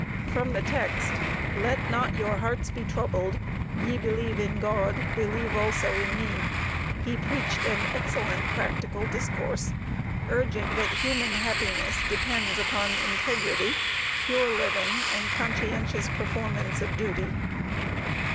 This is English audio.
From the text: "Let not your hearts be troubled; ye believe in God; believe also in me," he preached an excellent practical discourse, urging that human happiness depends upon integrity, pure living, and conscientious performance of duty.